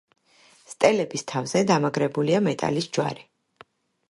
სტელების თავზე დამაგრებულია მეტალის ჯვარი.